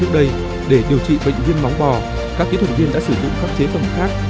trước đây để điều trị bệnh viên móng bò các kỹ thuật viên đã sử dụng các chế phẩm khác